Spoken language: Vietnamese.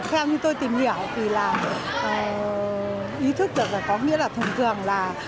theo như tôi tìm hiểu thì là ý thức được là có nghĩa là thường thường là